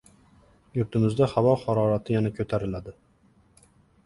Yurtimizda havo harorati yana ko‘tariladi